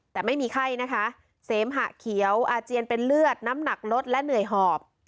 แต่ไม่มีไข้นะคะเสมหะเขียวอาเจียนเป็นเลือดน้ำหนักลดและเหนื่อยหอบ